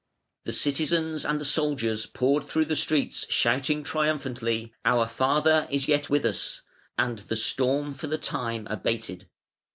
The citizens and the soldiers poured through the streets shouting triumphantly: "Our father is yet with us!" and the storm for the time abated.